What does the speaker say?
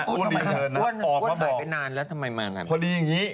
ออกเพราะบอกพอดีอย่างนี้